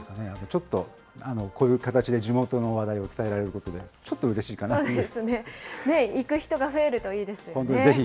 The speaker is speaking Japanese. ちょっとこういう形で地元の話題を伝えられることがちょっとうれしいかなという。